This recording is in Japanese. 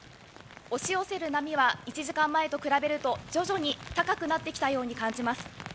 押し寄せる波は１時間前と比べると徐々に高くなってきたように感じます。